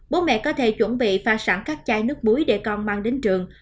bố mẹ có thể chuẩn bị pha sẵn các chai nước muối để con mang đến trường